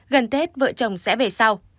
gần tết vợ chồng sẽ về sau